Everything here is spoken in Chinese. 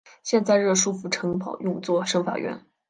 现在热舒夫城堡用作省法院。